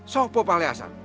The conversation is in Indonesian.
siapa pahle hasan